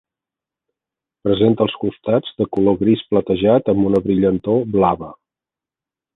Presenta els costats de color gris platejat amb una brillantor blava.